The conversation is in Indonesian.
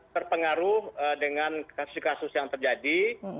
terpengaruh dengan kasus kasus yang terjadi